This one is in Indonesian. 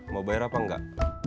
mau bayar apa enggak